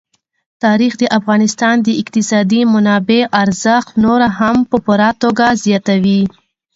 تاریخ د افغانستان د اقتصادي منابعو ارزښت نور هم په پوره توګه زیاتوي.